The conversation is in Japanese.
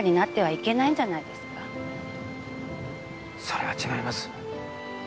それは違います。